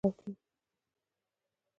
زه همدا نن کولن ښار کې یم